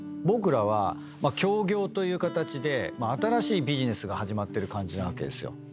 僕らは協業という形で新しいビジネスが始まってる感じなわけですよ。